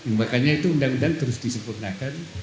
makanya itu undang undang terus disempurnakan